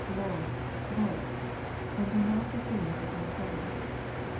Lord, Lord, and do not the things waich I say